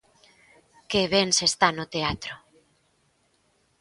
Que ben se está no teatro!